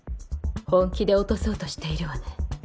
本気で落とそうとしているわね